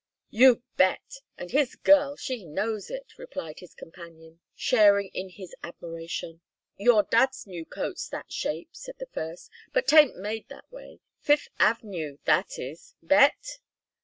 "You bet! And his girl, she knows it," replied his companion, sharing in his admiration. "Your dad's new coat's that shape," said the first. "But 'taint made that way. Fifth Av'nue, that is! Bet?"